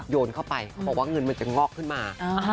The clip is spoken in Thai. โยนเข้าไปเขาบอกว่าเงินมันจะงอกขึ้นมา